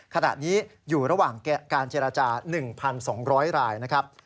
ขณะนี้อยู่ระหว่างการเจรจา๑๒๐๐รายนะครับ